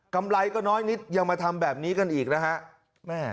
ไรก็น้อยนิดยังมาทำแบบนี้กันอีกนะฮะ